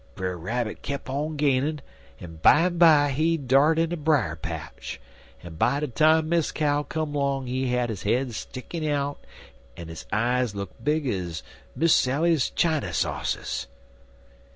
Brer Rabbit kep' on gainin', en bimeby he dart in a brier patch, en by de time Miss Cow come long he had his head stickin' out, en his eyes look big ez Miss Sally's chany sassers.